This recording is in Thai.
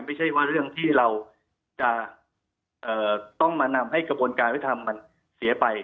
ไม่ใช่ว่าเรื่องที่เราจะต้องมานำให้กระบวนการวิทธรรมมันเสียไป